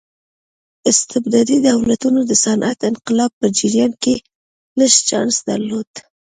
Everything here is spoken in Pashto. استبدادي دولتونو د صنعتي انقلاب په جریان کې لږ چانس درلود.